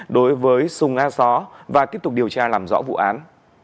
đối với sùng a só và tiếp tục điều tra làm rõ vụ án